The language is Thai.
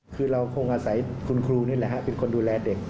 คือเราคงอาศัยคุณครูนี่แหละฮะเป็นคนดูแลเด็ก